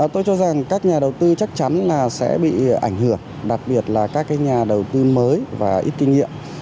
tôi cho rằng các nhà đầu tư chắc chắn là sẽ bị ảnh hưởng đặc biệt là các nhà đầu tư mới và ít kinh nghiệm